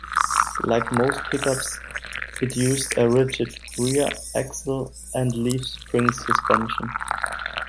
Like most pickups, it used a rigid rear axle and leaf spring suspension.